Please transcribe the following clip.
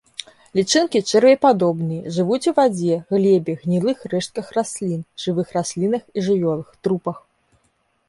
Лічынкі чэрвепадобныя, жывуць у вадзе, глебе, гнілых рэштках раслін, жывых раслінах і жывёлах, трупах.